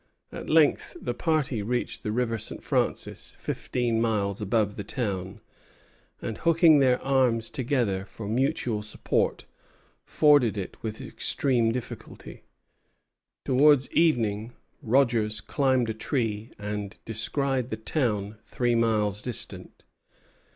At length the party reached the River St. Francis, fifteen miles above the town, and, hooking their arms together for mutual support, forded it with extreme difficulty. Towards evening, Rogers climbed a tree, and descried the town three miles distant.